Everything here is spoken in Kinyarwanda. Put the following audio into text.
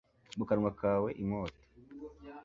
mu kanwa kawe, inkota